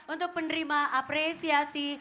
untuk penderima apresiasi